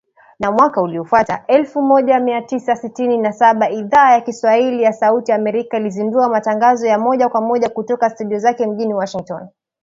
Na mwaka uliofuata, elfu moja mia tisa sitini na saba, Idhaa ya Kiswahili ya Sauti ya Amerika ilizindua matangazo ya moja kwa moja kutoka studio zake mjini Washington.